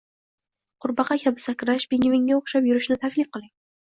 qurbaqa kabi sakrash, pingvinga o‘xshab yurishni taklif qiling.